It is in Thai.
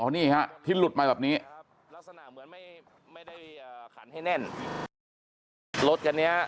ของนี่ฮะที่หลุดมาแบบนี้